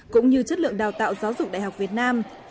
cũng như chất lượng đào tạo giáo dục đại học việt nam